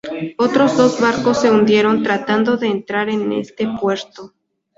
Otros dos barcos se hundieron tratando de entrar en este puerto.